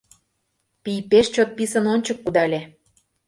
Пий пеш чот писын ончык кудале.